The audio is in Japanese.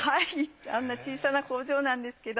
あんな小さな工場なんですけど。